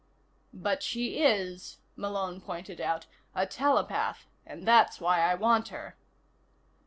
"But she is," Malone pointed out, "a telepath. And that's why I want her."